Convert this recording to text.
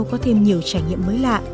có thêm nhiều trải nghiệm mới lạ